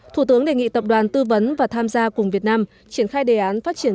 thủ tướng đề nghị tập đoàn tư vấn và tham gia cùng việt nam triển khai đề án phát triển